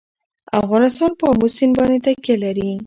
افغانستان په آمو سیند باندې تکیه لري.